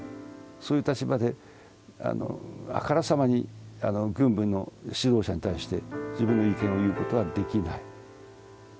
そういう立場であからさまに軍部の指導者に対して自分の意見を言う事はできない。